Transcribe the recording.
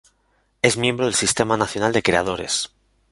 Es miembro del Sistema Nacional de Creadores.